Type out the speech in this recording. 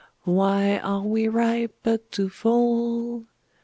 Why are we ripe, but to fall?